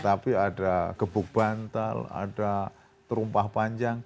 tapi ada gebuk bantal ada terumpah panjang